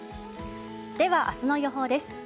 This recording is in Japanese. では、明日の予報です。